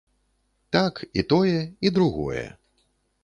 Так, і тое, і другое.